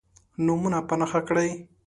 نومونه په نښه کړئ.